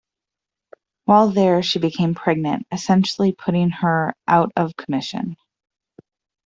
While there she became pregnant, essentially putting her out of commission.